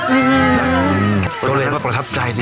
ก็เลยเราก็ประทับใจสิ